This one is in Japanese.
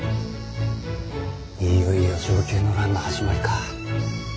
いよいよ承久の乱の始まりか。